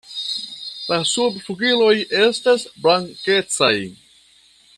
La subflugiloj estas blankecaj.